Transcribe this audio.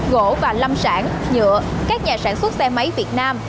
gỗ và lâm sản nhựa các nhà sản xuất xe máy việt nam